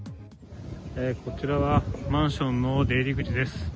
こちらはマンションの出入り口です。